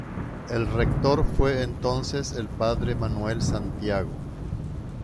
El rector fue entonces el P. Manuel Santiago.